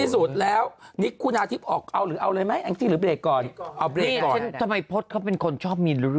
สูดแล้วนี่น่าที่ออกเอาอะไรไหมไปแล้วก่อนจะไม่ปฏิเสธเขาเป็นคนชอบมี